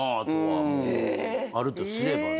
あるとすればね。